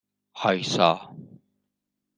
آیسا